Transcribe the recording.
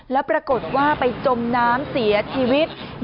แล้วปรากฏว่าไปจมน้ำเสียชีวิต